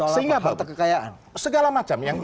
sehingga sehingga pada saat debat ini